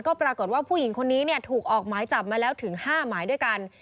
ก็ปรากฏว่าผู้หญิงคนนี้ถูกออกหมายจับมาแล้วถึง๕หมายด้วยกัน